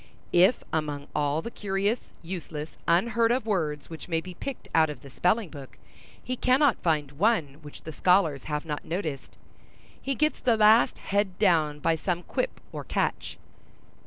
If among all the curious, useless, unheard of words which may be picked out of the spelling book, he cannot find one which the scholars have not noticed, he gets the last head down by some quip or catch.